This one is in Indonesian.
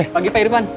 pagi pak irfan